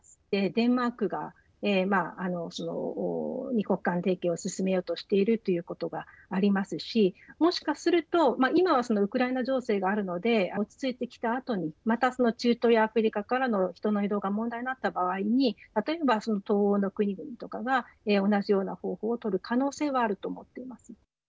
デンマークが二国間提携を進めようとしているということがありますしもしかすると今は、そのウクライナ情勢があるので落ち着いてきたあとにまた中東やアフリカからの人の移動が問題になった場合に例えば、その東欧の国々とかが同じような方法を取る可能性はあると思っていますね。